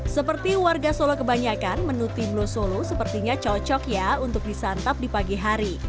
seperti warga solo kebanyakan menu timlo solo sepertinya cocok ya untuk disantap di pagi hari